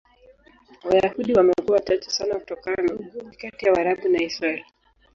Wayahudi wamekuwa wachache sana kutokana na ugomvi kati ya Waarabu na Israel.